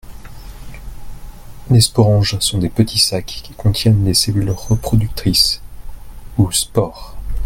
les sporanges sont des petits sacs qui contiennent les cellules reproductrices, ou spores.